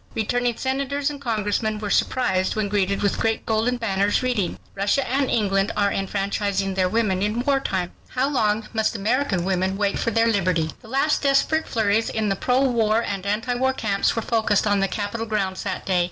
Returning senators and congressmen were surprised when greeted with great golden banners reading: RUSSIA AND ENGLAND ARE ENFRANCHISING THEIR WOMEN IN WAR TIME. HOW LONG MUST AMERICAN WOMEN WAIT FOR THEIR LIBERTY The last desperate flurries in the pro war and anti war camps were focused on the Capitol grounds that day.